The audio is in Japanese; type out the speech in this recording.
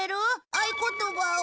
合言葉を。